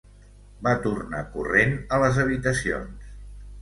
Va tornar corrent a les habitacions.